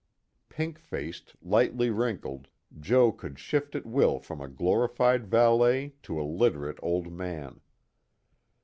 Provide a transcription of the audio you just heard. Pink faced, lightly wrinkled, Joe could shift at will from a glorified valet to a literate old man.